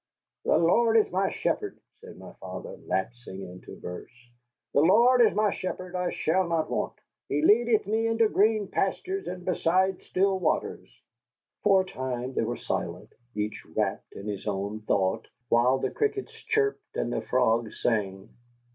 "'The Lord is my shepherd,'" said my father, lapsing into verse. "'The Lord is my shepherd. I shall not want. He leadeth me into green pastures, and beside still waters.'" For a time they were silent, each wrapped in his own thought, while the crickets chirped and the frogs sang.